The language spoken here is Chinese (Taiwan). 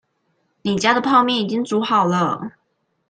你家的泡麵已經煮好了